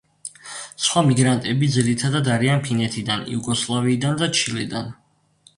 სხვა მიგრანტები ძირითადად არიან ფინეთიდან, იუგოსლავიიდან და ჩილედან.